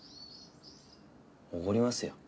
おごりますよ。